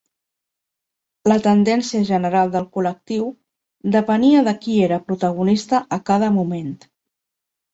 La tendència general del col·lectiu depenia de qui era protagonista a cada moment.